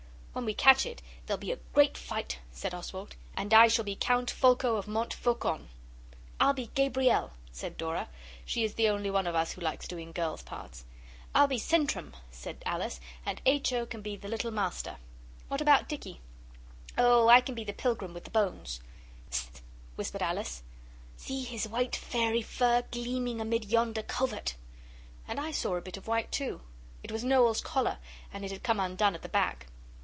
'When we catch it there'll be a great fight,' said Oswald; 'and I shall be Count Folko of Mont Faucon.' 'I'll be Gabrielle,' said Dora. She is the only one of us who likes doing girl's parts. 'I'll be Sintram,' said Alice; 'and H. O. can be the Little Master.' 'What about Dicky?' 'Oh, I can be the Pilgrim with the bones.' 'Hist!' whispered Alice. 'See his white fairy fur gleaming amid yonder covert!' And I saw a bit of white too. It was Noel's collar, and it had come undone at the back.